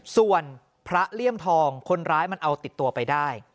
ส่วนพระเลี่ยมทองคนร้ายมันเอาติดตัวไปได้